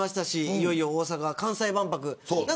いよいよ大阪・関西万博。